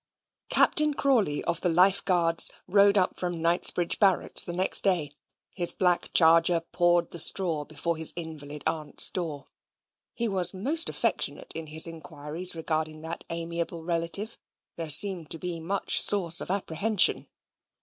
Captain Crawley of the Life Guards rode up from Knightsbridge Barracks the next day; his black charger pawed the straw before his invalid aunt's door. He was most affectionate in his inquiries regarding that amiable relative. There seemed to be much source of apprehension.